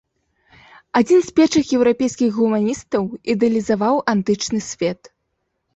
Адзін з першых еўрапейскіх гуманістаў ідэалізаваў антычны свет.